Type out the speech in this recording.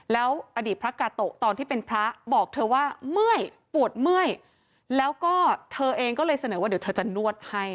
แล้วอดีตพระกาโตะตอนที่เป็นพระบอกเธอว่าเมื่อยปวดเมื่อยแล้วก็เธอเองก็เลยเสนอว่าเดี๋ยวเธอจะนวดให้